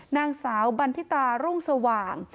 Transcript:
นางสาวบันทิตารุ่งสว่าง